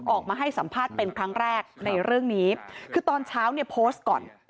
ออกมาให้สัมภาษณ์เป็นครั้งแรกในเรื่องนี้คือตอนเช้าเนี่ยโพสต์ก่อน